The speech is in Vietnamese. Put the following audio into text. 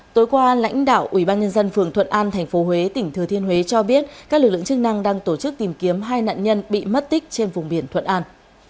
tối qua lãnh đạo ubnd phường thuận an tp huế tỉnh thừa thiên huế cho biết các lực lượng chức năng đang tổ chức tìm kiếm hai nạn nhân bị mất tích trên vùng biển thuận an